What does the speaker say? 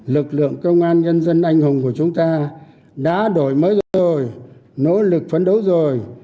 lực lượng công an nhân dân anh hùng của chúng ta đã đổi mới rồi nỗ lực phấn đấu rồi